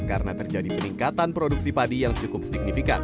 karena terjadi peningkatan produksi padi yang cukup signifikan